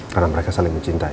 karena mereka saling mencintai